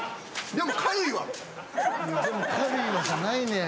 「軽いわ」じゃないねん。